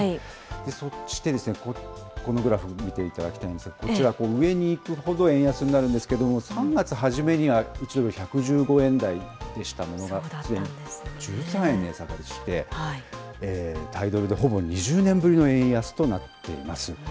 そして、このグラフ見ていただきたいんですが、こちら上にいくほど円安になるんですけれども、３月初めには１ドル１１５円台でしたものが、１３円値下がりして、対ドルで、ほぼ２０年ぶりの円安となっています。